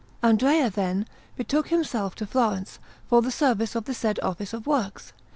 Andrea, then, betook himself to Florence, for the service of the said Office of Works.